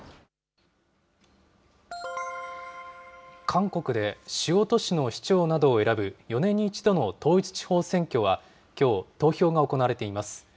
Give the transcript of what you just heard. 韓国で主要都市の市長などを選ぶ４年に１度の統一地方選挙はきょう、投票が行われています。